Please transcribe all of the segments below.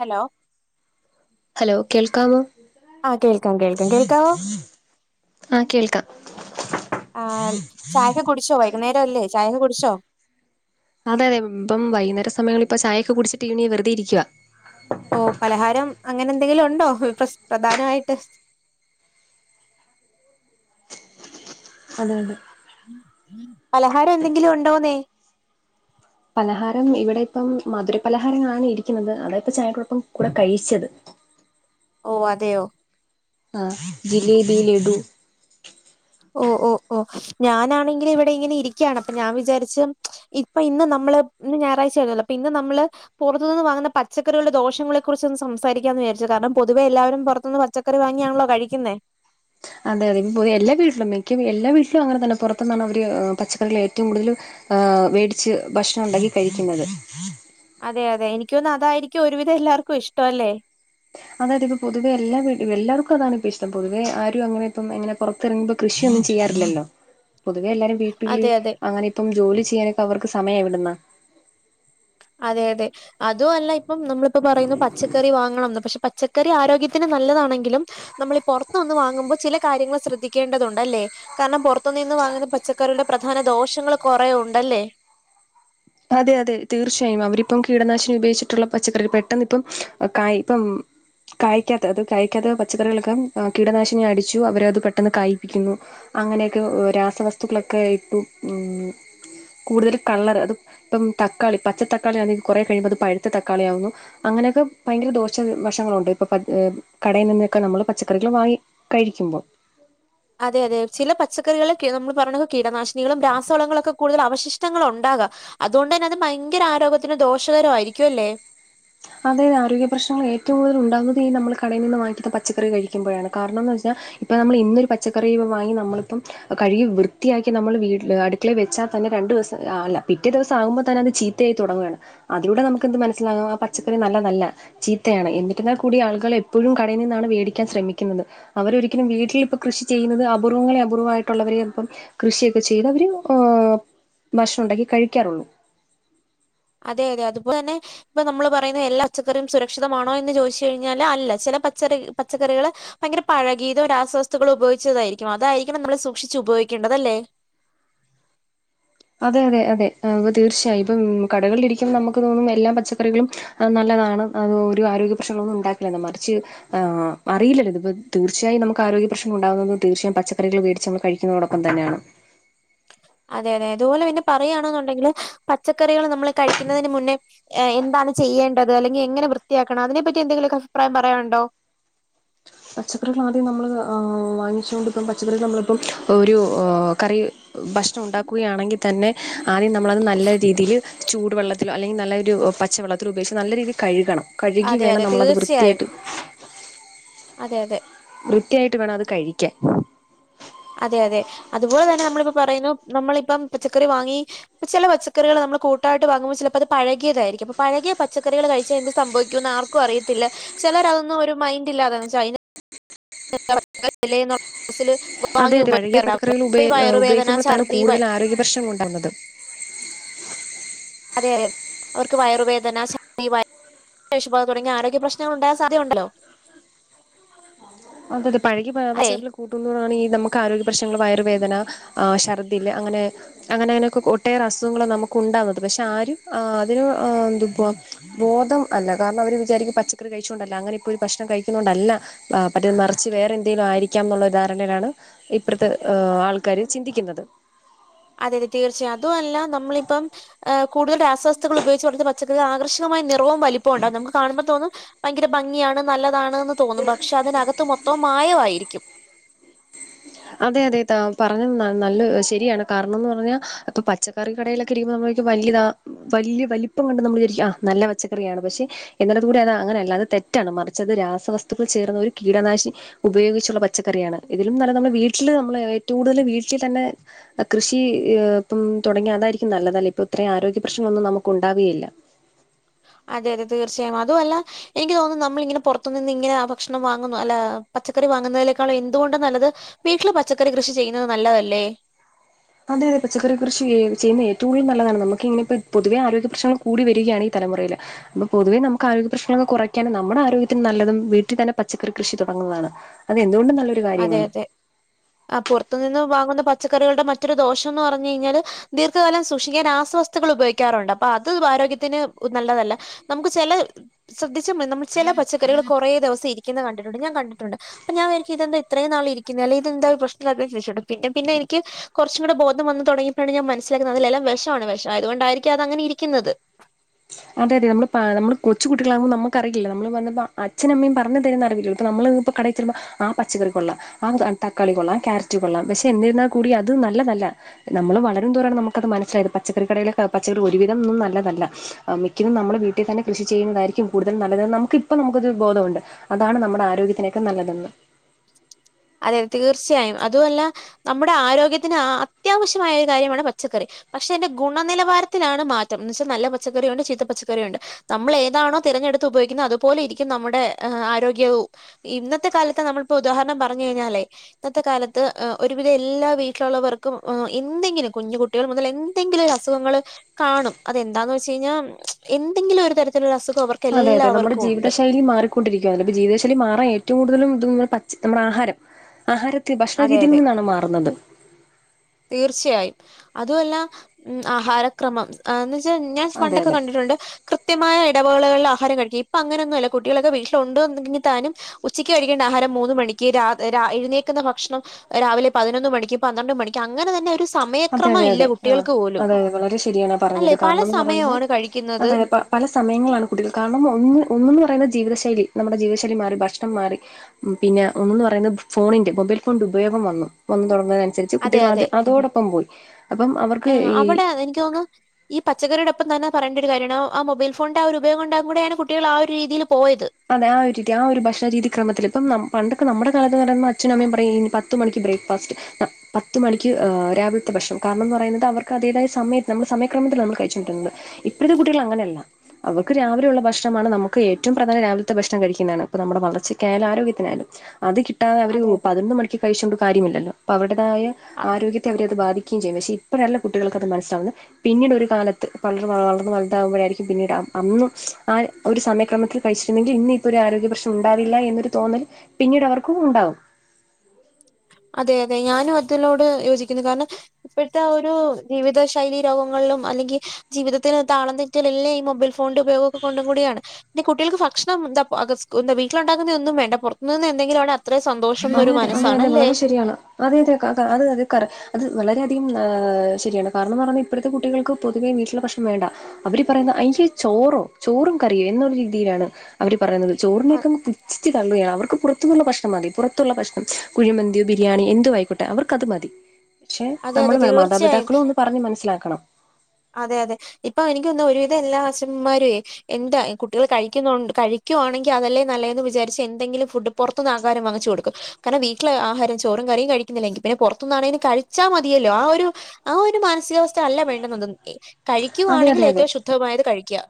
Hello? Hello കേൾക്കാമോ? ആഹ് കേൾക്കാം, കേൾക്കാം കേൾക്കാവോ? ആ കേൾക്കാം ആ ചായക്കെ കുടിച്ചോ? വൈകുന്നേര അല്ലേ ചായൊക്കെ കുടിച്ചോ? അതെതെ ഇപ്പം വൈകുന്നേര സമയങ്ങളിപ്പ ചായൊക്കെ കുടിച്ചിട്ട് ഇനി വെറുതെ ഇരിക്കുവ. ഓ പലഹാരം അങ്ങനെ എന്തെങ്കിലും ഉണ്ടോ [unintelligible] പ്രധാനായിട്ട്. അതുകൊണ്ട്. പലഹാരം എന്തെങ്കിലും ഉണ്ടോന്നേ. പലഹാരം ഇവിടെ ഇപ്പം മധുര പലഹാരങ്ങളാണ് ഇരിക്കുന്നത് അതാഇപ്പൊ ചായക്കോടൊപ്പം കൂടെ കഴിച്ചത്. ഓ അതെയോ. ആഹ് ജിലേബി, ലഡു. ഓഹ്, ഓഹ്, ഓഹ് ഞാനാണെങ്കില് ഇവിടെ ഇങ്ങനെ ഇരിക്യാണ് അപ്പൊ ഞാൻ വിജാരിച്ചു. ഇപ്പൊ ഇന്ന് നമ്മള് ഇന്ന് ഞായറാഴ്ച ആയിരുന്നല്ലോ അപ്പൊ ഇന്ന് നമ്മള്. പുറത്തുനിന്ന് വാങ്ങുന്ന പച്ചക്കറികളുടെ ദോഷങ്ങളെ കുറിച്ച് ഒന്ന് സംസാരിക്കാന്ന് വിചാരിച്ചു കാരണം പൊതുവെ എല്ലാവരും പൊറത്തുന്നു പ പച്ചക്കറി വാങ്ങിയാണല്ലോ കഴിക്കുന്നേ. അതെ അതെ ഇ എല്ലാ വീട്ടിലും മിക്ക എല്ലാ വീട്ടിലും അങ്ങനെ തന്നെ പുറത്തുന്നാണ് അവര് പച്ചക്കറി ഏറ്റവും കൂടുതല്. ആഹ് വേടിച്ച് ഭക്ഷണം ഉണ്ടാക്കി കഴിക്കുന്നത്. അതെ, അതെ എനിക്കൊന്ന് അതായിരിക്കും ഒരുവിധം എല്ലാവർക്കും ഇഷ്ടം അല്ലേ? അതായത് ഇപ്പൊ എല്ലാ എല്ലാവർക്കും അതാണ് ഇപ്പ ഇഷ്ടം പൊതുവെ ആരും അങ്ങനെപ്പ ഇങ്ങനെ ഇറങ്ങുമ്പ കൃഷിയൊന്നും ചെയ്യാറില്ലല്ലോ [inaudible] പൊതുവെ എല്ലാരും വീട്ടില് അതെ അതെ അങ്ങനെ ഇപ്പം ജോലി ചെയ്യാനൊക്കെ അവർക്ക് സമയ എവുടുന്നാ. അതെ അതെ അതും അല്ല ഇപ്പം നമ്മളിപ്പ പറയുന്നു പച്ചക്കറി വാങ്ങണംന്ന് പക്ഷെ പച്ചക്കറി ആരോഗ്യത്തിന് നല്ലതാണെങ്കിലും നമ്മൾ ഈ പുറത്തുന്ന് വാങ്ങുമ്പോൾ ചില കാര്യങ്ങൾ ശ്രദ്ധിക്കേണ്ടതുണ്ടല്ലേ കാരണം പുറ ത്തു നിന്ന് വാങ്ങുന്ന പച്ചക്കറിയുടെ പ്രധാന ദോഷങ്ങൾ കുറെ ഉണ്ടല്ലേ? അതെ അതെ തീർച്ചയായും അവരിപ്പം കീടനാശിനി ഉപയോഗിച്ചിട്ടുള്ള പച്ചക്കറി പെട്ടെന്ന് ഇപ്പം കായ ഇപ്പം കായ്ക്കാത്ത അത് കായ്ക്കാത്ത പച്ചക്കറികളൊക്കെ കീടനാശിനി അടിച്ചു അവരെ അത് പെട്ടെന്ന് കായ്പിക്കുന്നു. അങ്ങനെയൊക്കെ രാസവസ്തുക്കളൊക്കെയിട്ടു ഉ കൂടുതൽ കളർ അത് ഇപ്പം തക്കാളി പച്ച തക്കാളി ആണെങ്കിൽ കുറെ കഴുമ്പോ അത് പഴുത്ത തക്കാളിയാകുന്നു അങ്ങനെയൊക്കെ ഭയങ്കര ദോഷ വശങ്ങളുണ്ട് ഇപ്പൊ കടയിൽ നിന്നൊക്കെ നമ്മള് പച്ചക്കറികൾ വാങ്ങി കഴിക്കുമ്പോ അതെ അതെ ചില പച്ചക്കറികളെ നമ്മ പറഞ്ഞ കീടനാശിനികളും രാസവളങ്ങളുംക്കെ കൂടുതൽ അവശിഷ്ടങ്ങൾ ഉണ്ടാകാം അതുകൊണ്ട് തന്നെ അത് ഭയങ്കര ആരോഗ്യത്തിന് ദോഷകര ആയിരിക്കും അല്ലേ? അതായത് ആരോഗ്യ പ്രശ്നങ്ങള് ഏറ്റവും കൂടുതൽ ഉണ്ടകുന്നുന്നത് നമ്മള് കടയിൽ നിന്ന് വാങ്ങുന്ന പച്ചക്കറി കഴിക്കുമ്പോഴാണ് കാരണം എന്ന് വെച്ച ഇപ്പൊ നമ്മൾ ഇന്നൊരു പച്ചക്കറി വാങ്ങി നമ്മളിപ്പം കഴുകി വൃത്തിയാക്കി നമ്മള് വീട്ല് അടുക്കളെ വെച്ചാൽ തന്നെ രണ്ടു ദിവസംല്ല പിറ്റേ ദിവസം ആകുമ്പോൾ തന്നെ അത് ചീത്ത തയായി തുടങ്ങുകയാണ് അതിലൂടെ നമുക്ക് എന്ത് മനസ്സിലാക പച്ചക്കറി നല്ല തല്ല ചീത്തയാണ് എന്നിരുന്നാൽ കൂടി ആളുകൾ എപ്പോഴും കടയിൽ നിന്നാണ് വേടിക്കാൻ ശ്രമിക്കുന്നത്. അവരൊരിക്കലും വീട്ടിലിപ്പ കൃഷി ചെയ്യുന്നത് അപൂർവ്വങ്ങളെ അപൂർവ്വമായിട്ടുള്ളവരെ കൃഷിയൊക്കെ ചെയ്ത് അവര് ആഹ് ഭക്ഷണം ഉണ്ടാക്കി കഴിക്കാറുള്ളൂ. അതെ അതെ അതുപോലെ തന്നെ ഇപ്പൊ നമ്മള് പറയുന്ന എല്ലാ പച്ചക്കറിയും സുരക്ഷിതമാണോ എന്ന് ചോദിച്ചു കഴിഞ്ഞാല് അല്ല ചില പച്ചറി പച്ചക്കറികള് ഭയങ്കര പഴകീതോ രാസവസ്തുക്കളോ ഉപയോഗിച്ചതായിരിക്കും അതായിരിക്കണം നമ്മള് സൂക്ഷിച്ച് ഉപയോഗിക്കേണ്ടതല്ലേ. അതെ അതെ അതെ അ തീർച്ചയായുംപ്പം കടകളിലിരിക്കുമ്പോ നമുക്ക് തോന്നും എല്ലാ പച്ചക്കറികളും നല്ലതാണ് അത് ഒര് ആരോഗ്യ പ്രശ്നങ്ങളൊന്നും ഉണ്ടാക്കില്ല മറിച്ച് ആഹ് അറിയില്ല ഇപ്പൊ തീർച്ചായായി നമുക്ക് ആരോഗ്യ പ്രശ്നങ്ങളുണ്ടാകുന്നത് തീർച്ചയായും പച്ചക്കറികൾമേടിച്ച് നമ്മ കഴിക്കും തിനോടൊപ്പം തന്നെയാണ് അതെ അതെ അതുപോലെ പിന്നെ പറയുകയാണെന്നുണ്ടെങ്കിൽ പച്ചക്കറികൾ നമ്മൾ കഴിക്കുന്നതിന് മുന്നേ എന്താണ് ചെയ്യേണ്ടത് അല്ലെങ്കിൽ എങ്ങനെ വൃത്തിയാക്കണം അതിനെപ്പറ്റി എന്തെങ്കിലൊക്ക അഭിപ്രായം പറയാനുണ്ടോ? പച്ചക്കറികൾ ആദ്യം നമ്മൾ വാങ്ങിച്ചൊണ്ട്പ്പം പച്ചക്കറിൾ നമ്മളിപ്പം ഒരു കറി ഭക്ഷണം ഉണ്ടാക്കുകയാണെങ്കിൽ തന്നെ ആദ്യം നമ്മളത് നല്ല രീതിയിൽ ചൂടുവെള്ളത്തിലോ അല്ലെങ്കിൽ നല്ലൊരു പച്ചവെള്ളത്തിലോ ഉപയോഗിച്ച് നല്ല രീതിയി കഴുകണം. കഴുകി അതെ വേണം അതെ നമ്മളത് തീർച്ചയായും വൃത്തിയായിട്ട് അതെ അതെ വൃത്തിയായിട്ട് വേണം അത് കഴിക്കാൻ അതെ അതെ അതുപോലെ തന്നെ നമ്മളിപ്പ പറയുന്നു നമ്മളിപ്പം പച്ചക്കറി വാങ്ങി ഇപ്പ ചില പച്ചക്കറികൾ നമ്മൾ കൂട്ടായിട്ട് വാങ്ങുമ്പോൾ ചിലപ്പോ അത് പഴകതായിരിക്കുംപ്പൊ പഴകിയ പച്ചക്കറികൾ കഴിച്ചാ എന്ത് സംഭവിക്കുമന്ന് ആർക് ർക്കും അറിയത്തില്ല ചിലരതൊന്നും മൈന്റില്ലാതെ [inaudible] അതെ അതെ പഴകിയ ഉപയോഗിക്കാറുണ്ട്. പക്കറികൾ ഈ വയറുവേദന, ഉപയോഗുമ്പോഴത്താണ് ഛർദി വ കൂടുതൽ ആരോഗ്യ പ്രശ്നം ഉണ്ടാകുന്നത് അതെ അതെ അവർക്ക് വയറുവേദന ശർദി [unintelligible] ശേഷുപാ തുടങ്ങിയ ആരോഗ്യ പ്രശ്നങ്ങൾ ഉണ്ടായൻ സാധ്യയുണ്ടല്ലോ അതൊരു [unintelligible] കൂട്ട്ന്ന കൊണ്ടാണീ ഈ നമ്മക്ക് ആരോഗ്യ പ്രശ്നങ്ങള് വയറുവേദന ആഹ് ശർദ്ദില് അങ്ങനെ അങ്ങനെ അങ്ങനെയൊക്കെ ഒട്ടേറെ അസുഖങ്ങള് നമ്മക്ക് ഉണ്ടാകുന്നത് പക്ഷെ ആരും ആഹ് അതിനോ ഏഹ് [unintelligible] ബോധം അല്ല കാരണം അവര് വിചാരിക്കും പച്ചക്കറി കഴിച്ചോണ്ടല്ലാ അങ്ങനെ ഇപ്പോ ഒരു ഭക്ഷണം കഴിക്കുന്നൊണ്ടല്ലാ [unintelligible] മറ്റേത് മറിച്ച് വേറെ എന്തെങ്കിലും ആയിരിക്കാന്നുള്ള ധാരണയിലാണ് ഇപ്പഴ്ത്തെ ആൾക്കാര് ചിന്തിക്കുന്നത് അതെ അതെ തീർച്ചയും അതു അല്ലാ നമ്മളിപ്പം ഏഹ് കൂടുതൽ രാസവസ്തുക്കൾ ഉപയോഗിച്ചെട്ത്ത പ പച്ചക്കറി ആകർഷകമായ നിറവും വലിപ്പവും ഉണ്ടാവും നമ്മക്ക് കാണുമ്പോ തോന്നും ഭയങ്കര ഭംഗിയാണ് നല്ലതാണ് താണ്ന്ന് തോന്നും പക്ഷെ അതിനകത്ത് മൊത്തം മായവായിരിക്കും അതെ അതെ ത പറഞ്ഞത് നൽ നല്ല ശരിയാണ് കാരണോന്ന് പറഞ്ഞാ ഇപ്പൊ പച്ച കെറി കടയിലൊക്കെ ഇരിക്കുമ്പോ നമ്മള് വല്യതാ വല്യ വലിപ്പം കണ്ട് നമ്മള് വിചാരിക്കും ആഹ് നല്ല പച്ചക്കറിയാണ് പക്ഷേ എന്നിട്ട [unintelligible] അത് അങ്ങനെയല്ലാ അത് തെറ്റാണ് മറിച്ചത് രാസവസ്തുക്കൾ ചേർന്ന ഒരു കീടനാശി ഉപയോഗിച്ചുള്ള പച്ചക്കറിയാണ് ഇതിലും നല്ല നമ്മള് വീട്ടില് നമ്മള് ഏറ്റവും കൂടുതല് വീട്ടി തന്നെ ആഹ് കൃഷി ഈ ഇപ്പം തൊടങ്ങിയാ അതായിരിക്കും നല്ലതല്ലേ ഇപ്പൊ ഇത്രയും ആരോഗ്യ പ്രശ്നൊന്നും നമ്മക്ക് ഉണ്ടാവേയില്ല അതെ അതെ തീർച്ചയായും അതു അല്ലാ എനിക്ക് തോന്നുന്നു നമ്മളിങ്ങനെ പൊറത്തുനിന്ന് ഇങ്ങനെ ആഹ് ഭക്ഷണം വാങ്ങുന്നു അല്ല പച്ചക്കറി വാങ്ങുന്നതിനേക്കാളും എന്തുകൊണ്ടും നല്ലത് വീട്ടില് പച്ചക്കറി കൃഷി ചെയ്യുന്നത് നല്ലതല്ലേ അതെ അതെ പക്കറി കൃഷി ചെയ് ചെയ്യുന്നെ ഏറ്റവും കൂടുതൽ നല്ലതാണ് നമുക്ക് ഇങ്ങനെയിപ്പോ പൊതുവ ആരോഗ്യ പ്രശ്നങ്ങൾ കൂടി വരികയാണ് ഈ തലമുറയില് അപ്പൊ പൊതുവെ നമ്മക്ക് ആരോഗ്യ പ്രശ്നങ്ങൊക്കെ കുറക്കാൻ നമ്മടെ ആരോഗ്യത്തിന് നല്ലതും വീട്ടി തന്നെ പച്ചക്കറി കൃഷി തൊടങ്ങുന്നതാണ് അത്എന്തുകൊണ്ടും നല്ല അതെ അതെ ആഹ പൊറത്തു നിന്ന് വാങ്ങുന്ന പച്ചക്കറികളുടെ മറ്റൊരു ദോഷന്ന് പറഞ്ഞു കഴിഞ്ഞാല് ദീർഘകാലം സൂക്ഷിക്കാ രാസ വസ്തു ത്തുക്കൾ ഉപയോഗിക്കാറുണ്ട് അപ്പൊ അത് ആരോഗ്യത്തിന് നല്ലതല്ല നമുക്ക് ചെല ശ്രദ്ധിച്ചാ മതി നമ്മള് ചെല പച്ചക്കറികള് കൊറേ ദിവസം ഇരിക്കുന്നുന്നെ കണ്ടിട്ടുണ്ട് ഞാ കണ്ടിട്ടുണ്ട് അപ്പൊ ഞാ വിചാരിക്കും ഇതെന്താ ഇത്രയും നാള് ഇരിക്കുന്നെ അല്ലേ ഇതെന്താ [unintelligible] പിന്നെ പിന്നെ എനിക്ക് കൊറച്ചും കൂടെ ബോധം വന്ന് തൊടങ്ങിയപ്പഴാണ് ഞൻ മനസിലാക്കുന്നത് അതിലെല്ലാം വെഷാണ് വെഷം ആയതുകൊണ്ടായിരിക്കും അതങ്ങനെ ഇരിക്കുന്നത് അതെ അതെ നമ്മള് പാ നമ്മള് കൊച്ചുട്ടികളാവുമ്പോ നമുക്കറിയില്ലല്ലോ നമ്മള് വന്ന് വാ അച്ഛനും അമ്മയും പറഞ്ഞു തരുന്ന അറിവല്ലേ നമ്മള് ഇപ്പം കടേ തെരുമ്പം ആ പച്ചക്കറി കൊള്ളാം ആ തക്കാളി കൊള്ളാം ആ ക്യാരറ്റ് കൊള്ളാം പക്ഷെ എന്തിരുന്നാ കൂടി അത് നല്ലതല്ല നമ്മള് വളരുംതോറുവാണ് നമ്മക്കത് മനസ്സിലായത് പച്ചക്കറി കടയിലെ പച്ചക്കറി ഒരുവിധം ഒന്നും നല്ലതല്ലാ ആഹ് മിക്കതും നമ്മള് വീട്ടി തന്നെ കൃഷി ചെയ്യുന്നതായിരിക്കും കൂടുതൽ നല്ലതെന്ന് നമുക്ക് ഇപ്പ നമുക്കൊരു ബോധവൊണ്ട് അതാണ് നമ്മടെ ആരോഗ്യത്തിനൊക്കെ നല്ലതെന്ന് അതെ തീർച്ചയായും അതുവല്ലാ നമ്മടെ ആരോഗ്യത്തിന് അത്യാവശ്യമായ ഒരു കാര്യമാണ് പച്ചക്കറി പക്ഷെ അയിന്റെ ഗുണനിലവാരത്തിലാണ് മാറ്റം എന്ന് വെച്ചാൽ നല്ല പച്ചക്കറിയുണ്ട് ചീത്ത പച്ചക്കറിയുണ്ട് നമ്മള് ഏതാണോ തിരഞ്ഞെടുത്ത് ഉപയോഗിക്കുന്നത് അതുപോലെ ഇരിക്കും നമ്മുടെ ഏഹ് ആരോഗ്യവും ഇന്നത്തെ കാലത്ത് നമ്മളിപ്പോ ഉദാഹരണം പറഞ്ഞു കഴിഞ്ഞാലേ ഇന്നത്തെ കാലത്ത് ഏഹ് ഒരുവിധ എല്ലാ വീട്ടിലുള്ളവർക്കും ഏഹ് എന്തെങ്കിലും കുഞ്ഞ് കുട് കുട്ടികള് മുതല് എന്തെങ്കിലും ഒരു അസുഖങ്ങള് കാണും അതെന്താന്ന് വെച്ച് കഴിഞ്ഞാ എന്തെങ്കിലും ഒരു തരത്തിലുള്ള അസുഖ് അതെ അതെ നമ്മടെ ജീവിതശൈലി മാറി ക്കൊണ്ടിരിക്കുവാന്നല്ലോ ഇപ്പ ജീവിത ശൈലി മാറാൻ ഏറ്റവും കൂടുതലും ഇതും പച്ച് നമ്മടെ ആഹാരം ആഹാരം അതെ അതെ. ഭക്ഷണരീതിയിൽ നിന്നാണ് മാറുന്നത് തീർച്ചയായും അതു അല്ലാ ഉം ആഹാരം ക്രമം എന്നെച്ചാ ഞാൻ അതെ പണ്ടൊക്കെ അതെ കണ്ടിട്ടൊണ്ട് കൃത്യമായ ഇടവേളകളില് ആഹാരം കഴിക്കും ഇപ്പൊ അങ്ങനൊന്നും അല്ലാ കുട്ടികളൊക്കെ വീട്ടിലുണ്ട് എങ്കി താനും ഉച്ചയ്ക്ക് കഴിക്കേണ്ട ആഹാരം മൂന്ന് മണിക്ക് രാ രാ എഴുന്നേക്കുന്ന ഭക്ഷണം രാവിലെ പതിനൊന്ന് മണിക്ക് പന്ത്രണ്ട് മണിക് അങ്ങനെ തന്നെ ഒരു അതെ സമയക്രമം അതെ ഇല്ല അതെ ആഹ് കുട്ടികൾക്ക് പോലും. അതെ അതെ വളരെ ശരിയാണ് അല്ലെ പറഞ്ഞത് പല കാരണംന്ന് പറയുന്നെ സമയമാണ് കഴി ക്കിന്നത്. അതെ പ പല സമയങ്ങളാണ് കുട്ടികൾ കാരണം ഒന്ന് ഒന്ന്ന്ന് പറയുന്ന ജീവിതശൈലി. നമ്മുടെ ജീവിതശൈലി മാറി ഭക്ഷണം മാറി ഉം പിന്നെ ഒന്ന്ന്ന് പറയുന്നെ ഫോണിന്റെ മൊബൈൽ ഫോണിന്റെ ഉപയോഗം വന്നു വന്ന് തൊടങ്ങുന്ന അൻ സരിച്ച് അതെ കുട്ടികൾ അത് അതെ അതോടൊപ്പം പോയി അപ്പം അവർക്ക് ഈ അതെനിക്ക് തോന്നു ഈ പച്ചക്കറീടൊപ്പം തന്നെ പറയണ്ടൊരു കാര്യാണ്. ആ മൊബൈൽ ഫോൺന്റെ ആ ഒരു ഉപയോഗം കൊണ്ടാ കൂടെയാണ് കുട്ടികൾ ആ ഒരു രീതിയില് പോയത്. അതെ ആ ഒരു രീതി ആ ഒരു ഭക്ഷണ രീതിക്രമത്തില് ഇപ്പം ന്നം പണ്ടൊക്കെ നമ്മടെ കാലത്ത് ന്ന് പറയുമ്പം അച്ഛനും അമ്മയും പറയും ഇനി പ ത്ത് മണിക്ക് ബ്രേക്ക്ഫാസ്റ്റ് പത്ത് മണിക്ക് ഏഹ് രാവിൽത്തെ ഭക്ഷണം കാരണംന്ന് പറയുന്നത് അവർക്ക് അതേതായ സമയത്ത് നമ്മുടെ സമയക്രമത്തിലാന്ന് നമ്മൾ കഴിച്ചോണ്ടിര്ന്നത്. ഇപ്പഴ്ത്തെ കുട്ടികൾ അങ്ങനെയല്ല അവർക്ക് രാവിലെയുള്ള ഭക്ഷണമാണ് നമുക്ക് ഏറ്റവും പ്രധാനം രാവിൽത്തെ ഭക്ഷണം കഴിക്കുന്നാണ്. ഇപ്പ നമ്മുടെ വളർച്ചക്കായാലും ആരോഗ്യത്തിനായാലും അത് കിട്ടാതെ അവര് അതെ അതെ പതിനൊന്ന് മണിക്ക് കഴിച്ചോണ്ട് കാര്യമില്ലല്ലോ അപ്പൊ അവടതായ ആരോഗ്യത്തെ അവരെ അത് ബാധിക്കുകയും ചെയ്യും പക്ഷെ ഇപ്പഴല്ല കുട്ടികൾക്കത് മനസ്സിലാവ്ന്നെ പിന്നീടൊരു കാലത്ത് പടർന്ന് വളർന്ന് വൽതാകുമ്പഴായിരിക്കും പിന്നീട് അന്ന് ആ ഒരു സമയക്രമത്തിൽ കഴിച്ചിരുന്നെങ്കി ഇന്നി ഇപ്പോ ഒരു ആരോഗ്യ പ്രശ്നം ഉണ്ടാവില്ല എന്നൊരു തോന്നൽ പിന്നീട് അവർക്കും ഉണ്ടാവും. അതെ അതെ ഞാനും അതിലോട് യോജിക്കുന്നു കാര്ണം ഇപ്പഴ്ത്താ ഒരു ജീവിത ശൈലി രോഗങ്ങൾലും അല്ലെങ്കി ജീവിതത്തിന് ഒര് താളം തെറ്റല് എല്ലാം ഈ മൊബൈൽ ഫോണിന്റെ ഉപയോഗൊക്കെ കൊണ്ടും കൂടിയാണ് പിന്നെ കുട്ടികൾക്ക് ഭക്ഷണം എന്താപ്പൊ അഗസ്ക്കൂന്ത വീട്ടിലുണ്ടാക്കുന്നയൊന്നും വേണ്ട പൊർത്തുനിന്ന് എന്തെങ്കിലും ആണ് അത്രയും സന്തോഷള്ളൊരു മനസ്സാണല്ലേ ശെരിയാണ് അതെ അതെ കാ കാ അത് അതെ കറക് അത് വളരെയധികം ഏഹ് ശെരിയാണ്. കാര്ണംന്ന് പറഞ്ഞാ ഇപ്പഴത്തെ കുട്ടികൾക്ക് പൊതുവേ വീട്ട്‌ലെ ഭക്ഷണം വേണ്ട. അവര് പറയുന്നെ അയ്യേ ചോറോ ചോറും കറിയേ എന്നുള്ള രീതിയിലാണ്. അവര് പറയുന്നത് അ- ചോറിനെയൊക്കങ്ങ് പുച്ചിച്ച് തള്ളുകയാ അവർക്ക് പുറത്ത് നിന്നുള്ള ഭക്ഷണം മതി പുറ ത്തുള്ള ഭക്ഷണം കുഴിമന്തിയോ ബിരിയാണി എന്തുവായിക്കോട്ടെ അവർക്കത് മതി. പക്ഷെ അതെ നമ്മള് അതെ വേണം തീർച്ചയായും മാതാപിതാക്കളും ഒന്ന് പറഞ്ഞ് മനസ്സിലാക്കണം. അതെ അതെ ഇപ്പൊ എനിക്കോന്നുന്നു ഒരുവിധം എല്ലാ അഛമ്മാര്വേയ് എന്താ കുട്ടികൾ കഴിക്കുന്നുണ്ട് കഴിക്കുവാണെങ്കി അതല്ലേ നല്ലേന്ന് വിചാരിച്ച് എന്തെങ്കിലും ഫുഡ് പൊറത്തുന്ന് ആകാരം വാങ്ങിച്ച് കൊടുക്കും. കാരണം വീട്ടില് ആഹാരം ചോറും കറിയും കഴിക്കുന്നില്ല, എങ്കി പിന്നെ പൊറത്തുന്നാണെലും കഴിച്ചാ മതിയല്ലോ ആ ഒരു ആ ഒരു മാനസികാവസ്ഥ അല്ല വേണ്ടുന്നതും അതെ കഴിക്കുവാണെങ്കിൽ അതെ അതെ ഏറ്റവും ശുദ്ധവായത് കഴിക്ക്യാ.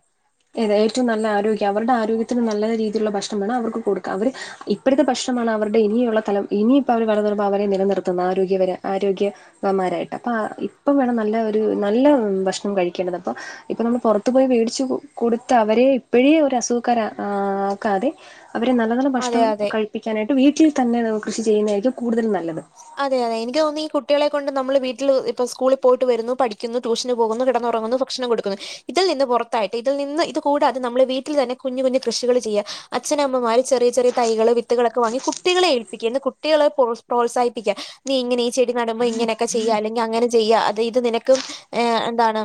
ഏത് ഏറ്റവും നല്ല ആരോഗ്യം അവര്ടെ ആരോഗ്യത്തിന് നല്ല രീതിയിലുള്ള ഭക്ഷണം വേണം അവർക്ക് കൊടുക്കാം. അവര് ഇ പ്പഴ്ത്തെ ഭക്ഷണമാണ് അവർടെ ഇനിയുള്ള തലം ഇനി ഇപ്പവര് വളർന്ന് വരുമ്പോൾ അവരെ നിലനിർത്തുന്ന ആരോഗ്യപര ആരോഗ്യ വന്മാരായിട്ട്. അപ്പാ ഇപ്പം വേണം നല്ല ഒരു നല്ല ഭക്ഷണം കഴിക്കേണ്ടത് അപ്പൊ. ഇപ്പൊ നമ്മൾ പൊറത്തു പോയി വേടിച്ചു കൊടുത്ത അവരെ ഇപ്പഴേ ഒരു അസുഖക്കാര് അ ആക്കാതെ അവരെ നല്ല നല്ല അതെ ഭക്ഷണം അതെ കഴി പ്പിക്കാനായിട്ട് വീട്ടിൽ തന്നെ നമുക്ക് കൃഷി ചെയ്യുന്നതായിരിക്കും കൂടുതൽ നല്ലത്. അതെ അതെ എനിക്ക് തോന്നുന്നു ഈ കുട്ടികളെ കൊണ്ട് നമ്മള് വീട്ടിൽ ഇപ്പ സ്കൂളിൽ പോയിട്ട് വരുന്നു പഠിക്കുന്നു ട്യൂഷന് പോകുന്നു കിടന്നുറങ്ങുന്നു ഭക്ഷണം കൊടുക്കുന്നു ഇതിൽ നിന്ന് പുറത്തായിട്ട് ഇതിൽ നിന്ന് ഇത് കൂടാതെ നമ്മള് വീട്ടിൽ തന്നെ കുഞ്ഞ് കുഞ്ഞ് കൃഷികൾ ചെയ്യാ. അച്ചനമ്മമാര് ചെറിയ ചെറിയ തൈകള് വിത്തുകളൊക്കെ വാങ്ങി കുട്ടികളെ ഏൽപ്പിക്ക്യാ ഇന്ന് കുട്ടികള് പോസ് പ്രോത്സാഹിപ്പിക്ക്യാ. നീ ഇങ്ങനെ ഈ ചെടി നടുമ്പോ ഇങ്ങനെയൊക്കെ ചെയ്യാ അല്ലെങ്കി അങ്ങനെ ചെയ്യാ അത് ഇത് നിനക്കും ഏഹ് എന്താണ്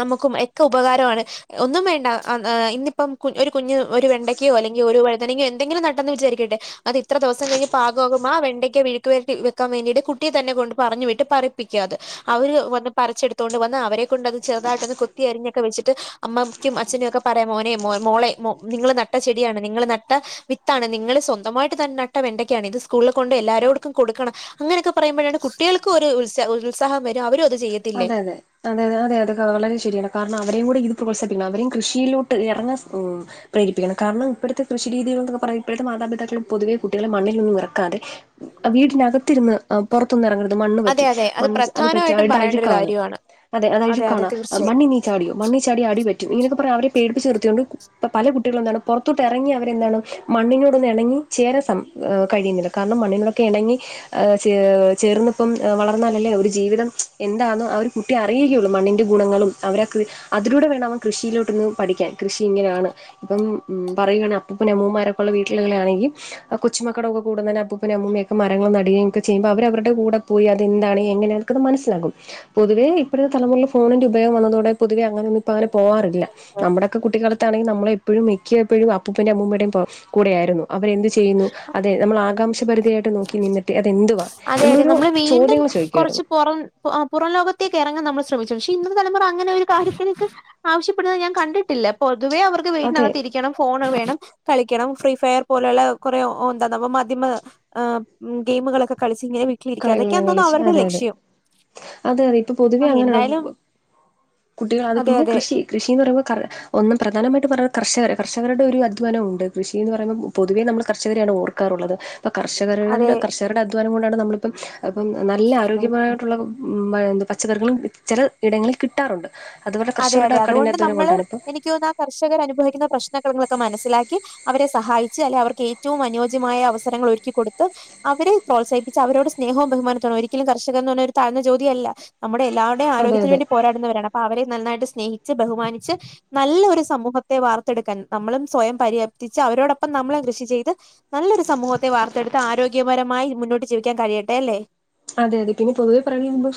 നമുക്കും എക്ക ഉപകാരവാണ്. ഒന്നും വേണ്ട ഇന്നിപ്പം കുഞ് ഒരു കുഞ്ഞ് ഒരു വെണ്ടക്കയോ അല്ലെങ്കി ഒരു വഴുതനങ്ങയോ എന്തെങ്കിലും നട്ടെന്ന് വിചാരിക്കട്ടെ അത് ഇത്ര ദെവസം കഴിഞ്ഞ് പാ കോകുമാ വെണ്ടയ്ക്ക് മെയുക്കുവരട്ടി വെയ്ക്കാൻ വേണ്ടിയിട്ട് കുട്ടിയെതന്നെ കൊണ്ട് പറഞ്ഞു വിട്ട് പറപ്പിക്കാത് അവര് വന്ന് പറിച്ചെടുത്തോണ്ട് വന്ന് അവരെ കൊണ്ട് അത് ചെറുതായിട്ട് ഒന്ന് കൊത്തിയരിഞ്ഞൊക്കെ വെച്ചിട്ട് അമ്മ യ്ക്കും അച്ഛനും ഒക്കെ പറയാം മോനെ മോളെ നിങ്ങള് നട്ട ചെടിയാണ് നിങ്ങള് നട്ട വിത്താണ് നിങ്ങള് സ്വന്തമായിട്ട് തന്നെ നട്ട വെണ്ടക്കയാണ് ഇത് സ് സ്കൂള് കൊണ്ടോയി എല്ലാരോട്ക്കും കൊടുക്കണം അങ്ങനെയൊക്കെ പറയുമ്പഴാണ് കുട്ടികൾക്കും ഒരു ഉത് ഉത്സാഹം വര് എല്ലാവരു അത് ചെയ്യും അതെ അതെ അതെ അത അതെ അതെ വളരെ ശരിയാണ് കാരണം അവരെയും കൂടി ഇത് പ്രോത്സാിപ്പിക്കണം. അവരും കൃഷിയിലോട്ട് ഇറങ്ങ പ്രേരിപ്പിക്കണംകാരണം ഇപ്പോഴത്തെ കൃഷി രീതികൾ എന്നൊക്കെ പറയാ ഇപ്പോഴത്തെ മാതാപിതാക്കൾക്കും പൊതുവ കുട്ടികളെ മണ്ണിലൊന്നും ഇറക്കാതെ വീടിനകത്തിരുന്ന് പുറത്തൊന്നും ഇറങ്ങരുത് മണ്ണ് അതെ പറ്റും അതെ മണ്ണ് അത് പറ്റും അഴ പ്രധാനമായിട്ടും പറയേണ്ട ഒരു കാര്യമാണ്. അതെ അതായത് അതെ കാണ മ തീർച്ചയായും. ചാടിയോ മണ്ണ് ചാടി അടി പറ്റും എന്നൊക്കെ പറയാ അവരെ പേടിപ്പിച്ച നിർത്തിയൊണ്ട് ഇപ്പ പല കുട്ടികളും എന്താണ് പുറത്തോട്ട് ഇറങ്ങി അവരെന്താണ് മണ്ണിനോട്ഒന്ന് ഇണങ്ങി ചേര കഴിയുന്നില്ല കാരണം മണ്ണിനോടക്കെ ഇണങ്ങി ഏഹ് ച ചേർന്ന ഇപ്പം വളർന്നാലല്ലേ ഒരു ജീവിതം എന്താണ് അവർ കുട്ടി അറിയുകയുള്ളൂ മണ്ണിൻ്റെ ഗുണങ്ങളും അവരൊക്കെ അതിലൂടെ വേണം അവൻ കൃഷിയിലോട്ടൊന്ന് പഠിക്കാൻ കൃഷി ഇങ്ങനെയാണ് ഇപ്പം ഉം പറയാണെിൽ അപ്പൂപ്പനും അമ്മൂമാരൊക്കെയള്ള വീട്ടിലുകളൊണെങ്കിൽ ആ കൊച്ചുമക്കളൊക്കെ കൂടുന്ന അപ്പൂപ്പനും അമ്മുമ്മയുംക്കെ മരങ്ങൾ നടുകയക്കെ ചെയ്യുമ്പ അവര് അവരുടെ കൂടെ പോയി അത് എന്താണ് എങ്ങനെയാണ് ക്കെ മനസ്സിലകും പൊതുവെ ഇപ്പോഴത്തെ തലമുറ ഫോണിന്റെ ഉയോഗം വന്നതോടെ പൊതുവെ അങ്ങനെ ഇപ്പ അങ്ങനെ പോകാറില്ല നമ്മുടെക്കെ കുട്ടിക്കാലത്താണെങ്കിൽ നമ്മള എപ്പോഴും മിക്കപ്പോഴും അപ്പൂപ്പന്റെ അമ്മയുടെയും കൂടെയായിരുന്നു അവർ എന്ത് ചെയ്യുന്നു അതെ നമ്മള് ആകാം പരിധിയായിട്ട് നോക്കി നിന്നിട്ട് അതെന്തുവാ അതെ നമ്മളൊ അതെ ഒരു നമ്മള് വീണ്ടും ചോദ്യമോ കുറച്ച് ചോദിക്കുമായിരുന്നു. പുറം പുറം ലോകത്തേക്ക് ഇറങ്ങാ നമ്മൾ ശ്രമിച്ചു പക്ഷേ ഇന്നത്തെ തലുറ അങ്ങനെ ഒരു കാര്യത്ത്ക്ക് ആവശ്യപ്പെടുന്നത് ഞാൻ കണ്ടിട്ടില്ല പൊതുവേ അവർക്ക് അതെ വീടിനകത്ത് രിക്കണം ഫോൺ വേണം കളിക്കണം ഫ്രീ ഫയർ പോലുള്ള കുറേ എന്താ മാധ്യമ ആ ഗെയിമുകളൊക്കെ കളിച്ച് ഇങ്ങനെ വീട്ടിലിരിക്കുക കളികളെല്ലാം അതൊക്കെയാന്ന് തോന്നുന്നു കളിച്ച് അവരുടെ അതെ അതെ ലക്ഷ്യം. അതെ അതെ ഇപ്പൊ പൊതുവെ ആഹ് അങ്ങനെയാണ് എന്തായാലും കുട്ടികൾ അത് അതെ പിന്നെ അതെ കൃഷി കൃഷിന്ന് പറയുമ്പോൾ ഒന്നും പ്രധാനമായിട്ട് പറഞ്ഞ കർഷക കർഷകരുടെ ഒരു അധ്വാനം ഉണ്ട് കൃഷി എന്ന് പറുമ്പോ പൊതുവേ നമ്മ കർഷരെയാണ് ഓർക്ക. ഇപ്പ കർഷകരുടെ അതെ കർഷകരുടെ അധ്വാനം കൊണ്ടാണ് നമ്മളിപ്പം ഇപ്പ നല്ല ആരോഗ്യമായ എ പച്ചക്കറികളും ചില ഇടങ്ങളിൽ കിട്ടാറുണ്ട് അതുപോലെ അതെ കർഷകരുടെ അതെ അതുകൊണ്ട് കഠിനാധ്വാനം നമ്മള് കൊണ്ടാണ് ഇപ്പം എനിക്ക് തോന്ന ആ കർഷകർ അനുഭവിക്കുന്ന പ്രശ്നങ്ങളങ്ങളൊക്കെ മനസ്സിലാക്കി അവരെ സഹായിച്ച് അല്ലെ അവർക്ക് ഏറ്റവും അനുയോജ്യമായ അവസരങ്ങൾ ഒരുക്കി കൊടുത്ത്. അവരെ പ്രോത്സാഹിപ്പച്ച് അവരോട് സ്നേഹവും ബഹുമാനത്തോട ഒരിക്കലും കർഷകർന്ന് പറഞ്ഞ് താഴ്ന്ന ജോലി അല്ല നമ്മുടെ എല്ല അവരുടെ അതെ ആരോഗത്തിന് അതെ വേണ്ടി പോരാടുന്നവരാണ് അപ്പൊ അവരെ നന്നായിട്ട് സ്നേഹച്ച് ബഹുമാനിച്ച് നല്ലൊ ഒരു സമൂഹത്തെ വാർത്തെടുക്കാൻ നമ്മളും സ്വയം പര്യാപ്തിച്ച് അവരോടൊപ്പം നമ്മളും കൃഷി ചെയ്ത് നല്ലൊരു സമൂഹത്തെ വാർത്തെടുത്ത് ആരോഗ്യപരമായി മുന്നോട്ട് ജീവിക്കാൻ കഴിയട്ടെ അല്ലെ അതെ അതെ പിന്നെ പെതുവെ പറയഞരുമ്പോൾ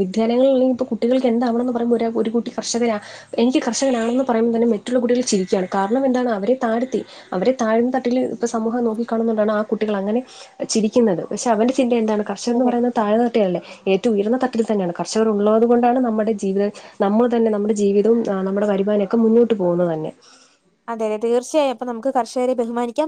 വിദ്യാലയങ്ങളില്ലെങ്കിൽ ഇപ്പോൾ കുട്ടികൾക്ക് എന്താവണമെന്ന് പറുമ്പോൾ ഒരു കുട്ടി കർഷകരാ എനിക്ക് കർഷകനാണെന്ന് പറയുമ്പോൾ തന്നെ മറ്റുള്ള കുട്ടികൾ ചിരിക്കയാണ് കാരണം എന്താണ് അവരെ താഴ്ത്തി അവരെ താഴ്ന്ന തട്ടിൽ ഇപ്പൊ സമൂഹം നോക്കിക്ക കാണുന്നുണ്ടാണ് ആ കുട്ടികൾ അങ്ങനെ ചിരിക്കുന്നത് പക്ഷെ അവന്റെ ചിന്ത എന്താണ് കർഷക എന്ന് അതെ പറയുന്നത് താഴ്ന്ന തട്ടേല്ലേ ഏറ്റവും ഉയർന്ന തട്ടിൽ തന്നെയാണ് കർഷകർ ഉള്ളത് കൊണ്ടാണ് നമ്മുടെ ജീവിത നമ്മൾ തന്നെ നമ്മുടെ ജീവിതവും നമ്മുടെ വരുമാനം ഒക്കെ മുന്നോട്ട് പോവുന്നത് തന്നെ അതെതെ തീർച്ചയായും അപ്പ നമുക്ക് കർഷകരെ ബഹുമാനിക്കാം